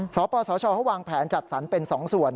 สปสชเขาวางแผนจัดสรรเป็น๒ส่วน